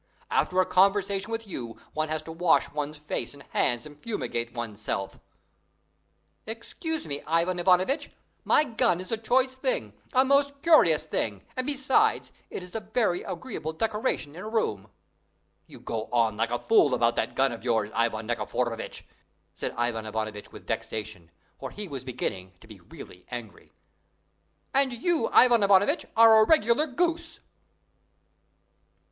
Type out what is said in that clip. After a conversation with you, one has to wash one's face and hands and fumigate one's self." "Excuse me, Ivan Ivanovitch; my gun is a choice thing, a most curious thing; and besides, it is a very agreeable decoration in a room." "You go on like a fool about that gun of yours, Ivan Nikiforovitch," said Ivan Ivanovitch with vexation; for he was beginning to be really angry. "And you, Ivan Ivanovitch, are a regular goose!"